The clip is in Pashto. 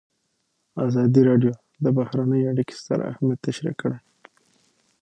ازادي راډیو د بهرنۍ اړیکې ستر اهميت تشریح کړی.